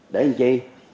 để làm chi